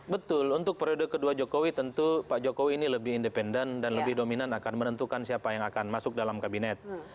betul untuk periode kedua jokowi tentu pak jokowi ini lebih independen dan lebih dominan akan menentukan siapa yang akan masuk dalam kabinet